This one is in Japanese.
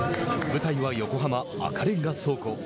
舞台は横浜・赤レンガ倉庫。